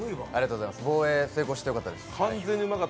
防衛成功してよかったです。